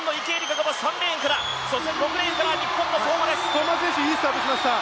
相馬選手、いいスタートをしました。